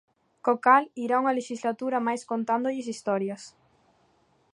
Co cal, irá unha lexislatura máis contándolles historias.